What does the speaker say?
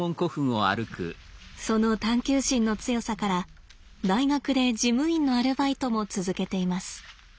その探究心の強さから大学で事務員のアルバイトも続けています。